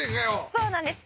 「そうなんです」